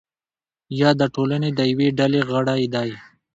یا د ټولنې د یوې ډلې غړی دی.